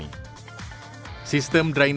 sistem dry nest free yang dikumpulkan dengan kursi roda